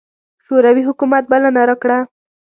شوروي حکومت بلنه راکړه.